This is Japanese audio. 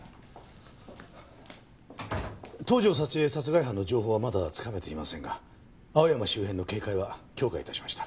東条沙知絵殺害犯の情報はまだつかめていませんが青山周辺の警戒は強化致しました。